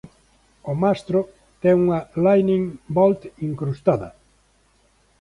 O mastro ten unha Lightning Bolt incrustada.